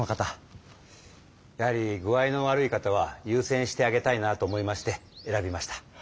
やはり具合の悪い方はゆうせんしてあげたいなと思いまして選びました。